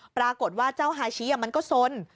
ปรากฏว่าเจ้าฮาชิมันก็สน